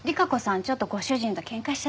ちょっとご主人とケンカしちゃっただけです。